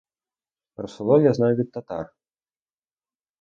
Про село я знаю від татар.